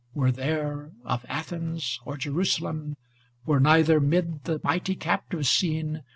. Were there, of Athens or Jerusalem, Were neither mid the mighty captives seen.